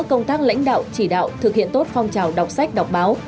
công tác lãnh đạo chỉ đạo thực hiện tốt phong trào đọc sách đọc báo